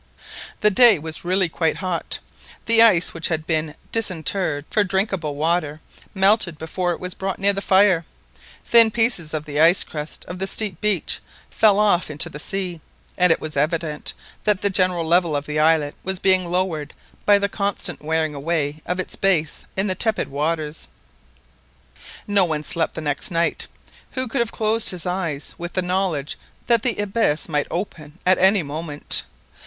The day was really quite hot. The ice which had been "disinterred" for drinkable water melted before it was brought near the fire. Thin pieces of the ice crust of the steep beach fell off into the sea, and it was evident that the general level of the islet was being lowered by the constant wearing away of its base in the tepid waters. No one slept the next night. Who could have closed his eyes with the knowledge that the abyss beneath might open at any moment?